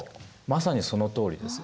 まさにそのとおりです。